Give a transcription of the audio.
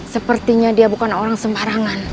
sepertinya dia bukan orang sembarangan